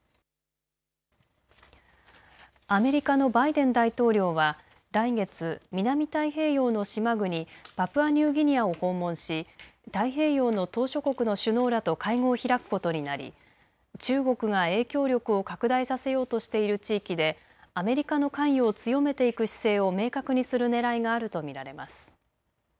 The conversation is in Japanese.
アメリカのバイデン大統領は来月、南太平洋の島国パプアニューギニアを訪問し太平洋の島しょ国の首脳らと会合を開くことになり中国が影響力を拡大させようとしている地域でアメリカの関与を強めていく姿勢を明確にするねらいがあると見られます。